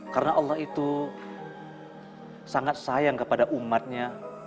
karena allah itu sangat sayang kepada umatnya